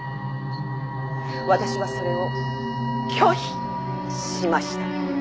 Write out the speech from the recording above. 私はそれを拒否しました。